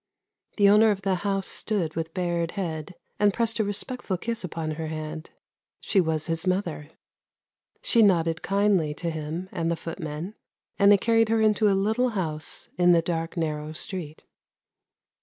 The owner of the house stood with bared head, and pressed a respectful kiss upon her hand. She was his mother ; she nodded kindly to him and the footmen, and they carried her into a little house in the dark narrow street.